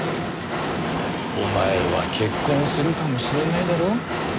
お前は結婚するかもしれないんだろ？